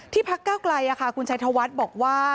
พักเก้าไกลคุณชัยธวัฒน์บอกว่า